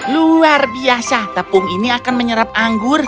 luar biasa tepung ini akan menyerap anggur